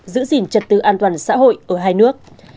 giữ gìn trật tự an toàn xã hội ở hai nước